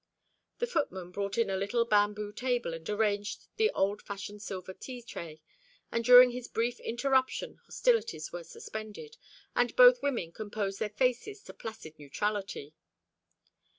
A footman brought in a little bamboo table, and arranged the old fashioned silver tea tray; and during this brief interruption hostilities were suspended, and both women composed their faces to placid neutrality.